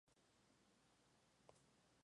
La muerte prematura de Redding devastó a Stax.